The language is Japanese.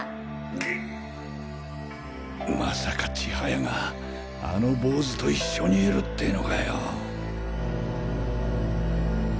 ゲッまさか千速があのボウズと一緒にいるってのかよ！？